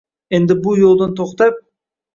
Endi bu yo‘ldan to‘xtab